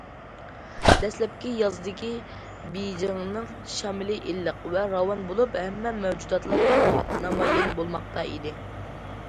دەسلەپكى يازدىكى بېيجىڭنىڭ شامىلى ئىللىق ۋە راۋان بولۇپ، ھەممە مەۋجۇداتلار تەڭ نامايان بولماقتا ئىدى.